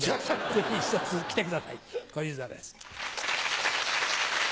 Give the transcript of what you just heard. ぜひひとつ来てください小遊三です。